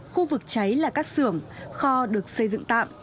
khu vực cháy là các xưởng kho được xây dựng tạm